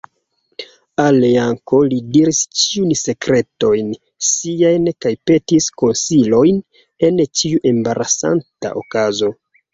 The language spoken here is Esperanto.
Al Janko li diris ĉiujn sekretojn siajn kaj petis konsilojn en ĉiu embarasanta okazo.